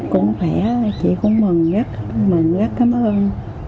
cũng khỏe chị cũng mừng rất mừng rất cảm ơn